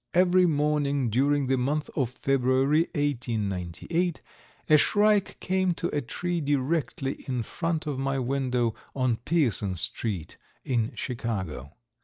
Every morning during the month of February, 1898, a shrike came to a tree directly in front of my window on Pearson street, in Chicago.